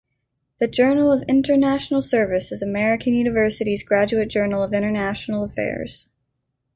The Journal of International Service is American University's graduate journal of international affairs.